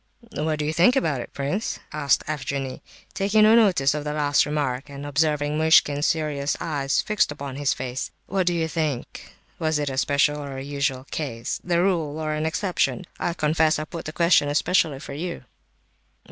"What do you think about it, prince?" asked Evgenie, taking no notice of the last remark, and observing Muishkin's serious eyes fixed upon his face. "What do you think—was it a special or a usual case—the rule, or an exception? I confess I put the question especially for you."